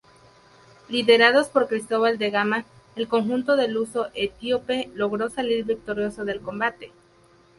Liderados por Cristóbal de Gama, el conjunto luso-etíope logró salir victorioso del combate.